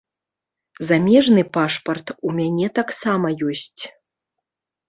Замежны пашпарт у мяне таксама ёсць.